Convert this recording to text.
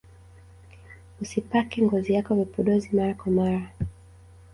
usipake ngozi yako vipodozi mara kwa mara